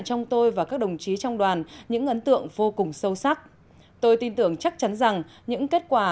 trong tôi và các đồng chí trong đoàn những ấn tượng vô cùng sâu sắc tôi tin tưởng chắc chắn rằng những kết quả